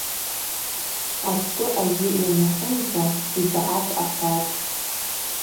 Ацгвы ажьы йанахьымдза — йбгӏапӏ, ахӏватӏ.